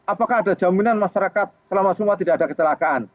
apakah ada jaminan masyarakat selama semua tidak ada kecelakaan